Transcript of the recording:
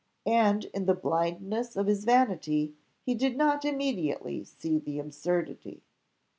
and in the blindness of his vanity he did not immediately see the absurdity.